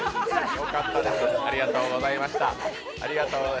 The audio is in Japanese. よかったです、ありがとうございました。